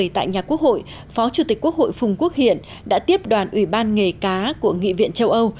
tại nhà quốc hội phó chủ tịch quốc hội phùng quốc hiện đã tiếp đoàn ủy ban nghề cá của nghị viện châu âu